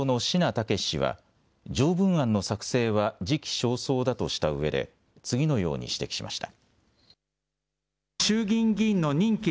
猛氏は条文案の作成は時期尚早だとしたうえで次のように指摘しました。